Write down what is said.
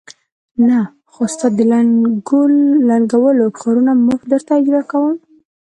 نه، خو ستا د لنګول کارونه مفت درته اجرا کوم.